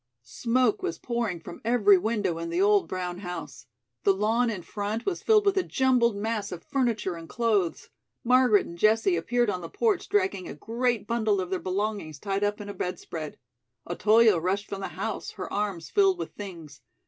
Smoke was pouring from every window in the old brown house. The lawn in front was filled with a jumbled mass of furniture and clothes. Margaret and Jessie appeared on the porch dragging a great bundle of their belongings tied up in a bedspread. Otoyo rushed from the house, her arms filled with things.